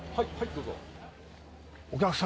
どうぞ。